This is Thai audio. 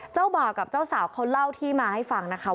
เจ้าบ่าวกับเจ้าสาวเขาเล่าที่มาให้ฟังนะคะ